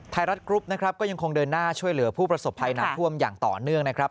ไทยรัฐกรุ๊ปนะครับก็ยังคงเดินหน้าช่วยเหลือผู้ประสบภัยน้ำท่วมอย่างต่อเนื่องนะครับ